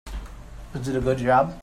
Is it a good job?